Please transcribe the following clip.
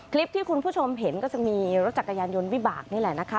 คลิปที่คุณผู้ชมเห็นก็จะมีรถจักรยานยนต์วิบากนี่แหละนะคะ